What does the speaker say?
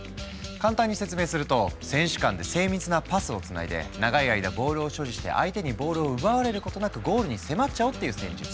簡単に説明すると選手間で精密なパスをつないで長い間ボールを所持して相手にボールを奪われることなくゴールに迫っちゃおう！っていう戦術。